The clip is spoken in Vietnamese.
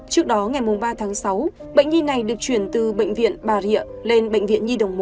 trước đó ngày ba tháng sáu bệnh nhi này được chuyển từ bệnh viện bà rịa lên bệnh viện nhi đồng một